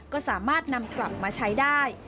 ก็สามารถนำกลับมาใช้ได้